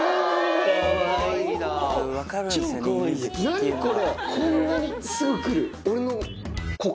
何これ！